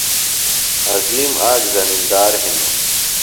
عظیم آک زمِندار ہِنوۡ۔